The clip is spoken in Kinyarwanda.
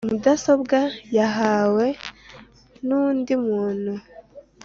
mudasobwa yahawe n undi muntu